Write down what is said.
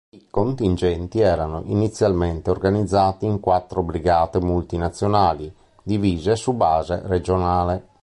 I contingenti erano inizialmente organizzati in quattro brigate multinazionali, divise su base regionale.